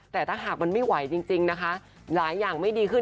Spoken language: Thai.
แต่ถ้าหากมันไม่ไหวจริงนะคะหลายอย่างไม่ดีขึ้น